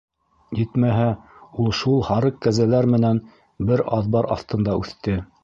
Етмәһә, ул шул һарыҡ-кәзәләр менән бер аҙбар аҫтында үҫте.